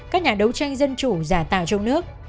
các nhà đấu tranh dân chủ giả tạo trong nước